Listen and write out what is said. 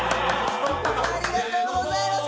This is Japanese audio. ありがとうございます